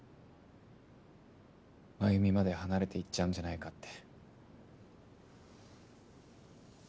繭美まで離れていっちゃうんじゃないかって。